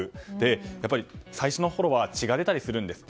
やっぱり最初のころは血が出たりするんですって